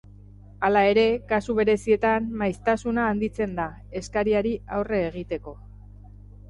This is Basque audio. Hala ere, kasu berezietan maiztasuna handitzen da, eskariari aurre egiteko.